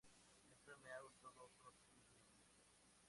Siempre me ha gustado otros estilos de música.